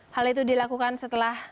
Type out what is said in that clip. hal itu dilakukan setelah